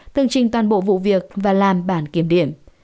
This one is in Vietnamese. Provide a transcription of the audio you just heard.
tương trình toàn bộ vụ việc và làm bản kiểm điểm